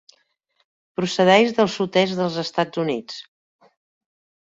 Procedeix del sud-est dels Estats Units.